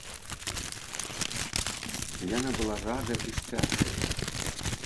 Яна была рада і шчасліва.